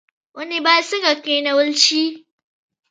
ونې باید څنګه کینول شي؟